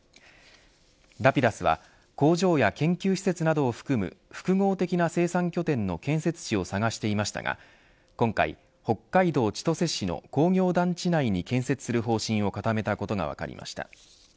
ラピダスは工場や研究施設などを含む複合的な生産拠点の建設地を探していましたが今回、北海道千歳市の工業団地内に建設する方針を固めたことが分かりました。